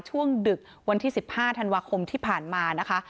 ช่วงดึกวันที่สิบห้าธานาคมที่ผ่านมานะคะ